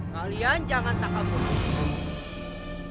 kalian jangan tak ampun